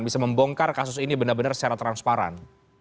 bisa membongkar kasus ini benar benar secara transparan